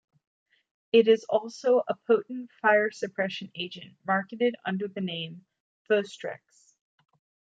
It is also a potent fire suppression agent marketed under the name PhostrEx.